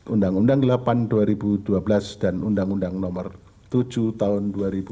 undang undang nomor delapan tahun dua ribu dua belas dan undang undang nomor tujuh tahun dua ribu tujuh belas